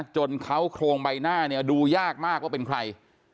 จนเขาโครงใบหน้าเนี่ยดูยากมากว่าเป็นใคร